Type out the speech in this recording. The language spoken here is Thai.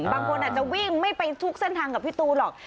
บางคนอาจจะวิ่งไม่ไปทุกเส้นทางกับพี่ตูนหรอก